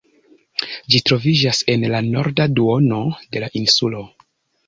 Ĝi troviĝas en la norda duono de la insulo.